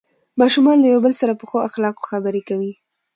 ماشومان له یو بل سره په ښو اخلاقو خبرې کوي